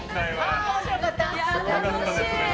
面白かった。